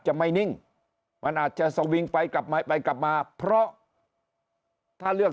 จะไม่นิ่งมันอาจจะสวิงไปกลับมาไปกลับมาเพราะถ้าเลือก